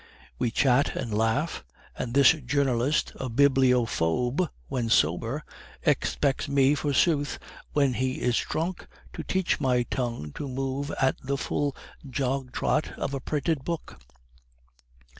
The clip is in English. We chat and laugh; and this journalist, a bibliophobe when sober, expects me, forsooth, when he is drunk, to teach my tongue to move at the dull jogtrot of a printed book."